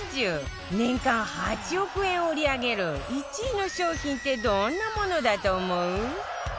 年間８億円を売り上げる１位の商品ってどんなものだと思う？